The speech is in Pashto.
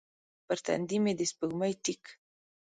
پر تندې مې د سپوږمۍ ټیک